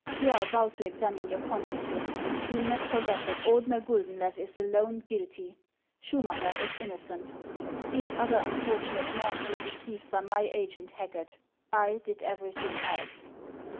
You are about to examine your consciences ; do not forget that Ordener Gulclenlew is alone guilty; Schumacker is innocent. These other unfortunate men were deceived by my agent, Hacket. I did everything else."